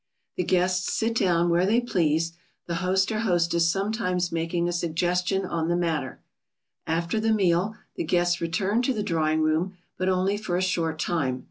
] The guests sit down where they please, the host or hostess sometimes making a suggestion on the matter. [Sidenote: After the meal.] After the meal the guests return to the drawing room, but only for a short time.